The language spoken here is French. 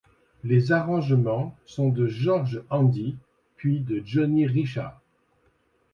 Les arrangements sont de George Handy puis de Johnny Richards.